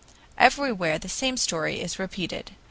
Everywhere the same story is repeated.